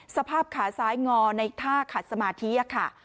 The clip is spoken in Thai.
สภาพขาซ้ายงอในท่าขัดสมาธิค่ะ